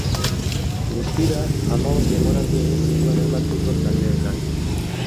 Guztira, hamabost denboraldi egin zituen hainbat futbol taldeetan.